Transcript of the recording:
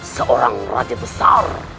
seorang raja besar